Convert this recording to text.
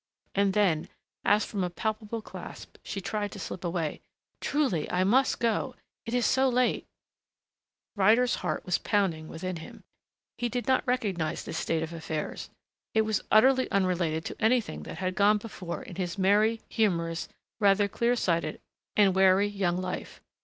And then, as from a palpable clasp, she tried to slip away. "Truly, I must go! It is so late " Ryder's heart was pounding within him. He did not recognize this state of affairs; it was utterly unrelated to anything that had gone before in his merry, humorous, rather clear sighted and wary young life....